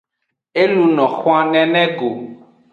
E luno xwan nene go.